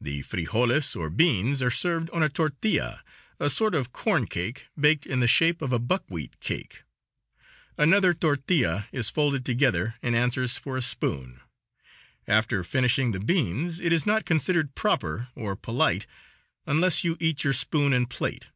The frijoles, or beans, are served on a tortilla, a sort of corn cake baked in the shape of a buckwheat cake. Another tortilla is folded together, and answers for a spoon. After finishing the beans it is not considered proper or polite unless you eat your spoon and plate.